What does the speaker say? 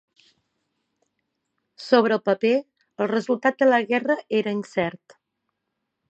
Sobre el paper, el resultat de la guerra era incert.